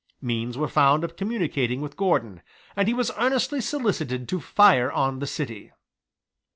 Means were found of communicating with Gordon; and he was earnestly solicited to fire on the city.